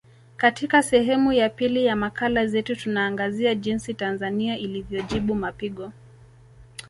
Katika sehemu ya pili ya makala zetu tunaangazia jinsi Tanzania ilivyojibu mapigo